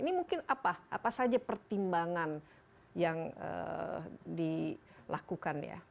ini mungkin apa apa saja pertimbangan yang dilakukan ya